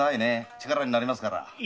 力になりますから。